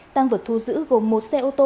tăng vật thu giữ gồm một xe ô tô